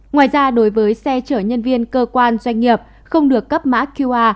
ngoài ra đối với xe chở nhân viên cơ quan doanh nghiệp không được cấp mã qr